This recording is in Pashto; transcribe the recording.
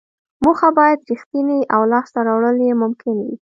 موخه باید ریښتینې او لاسته راوړل یې ممکن وي.